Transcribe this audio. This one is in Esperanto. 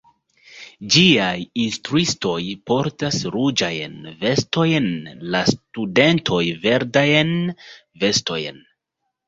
Ĝiaj instruistoj portas ruĝajn vestojn, la studentoj verdajn vestojn.